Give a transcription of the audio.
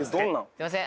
すいません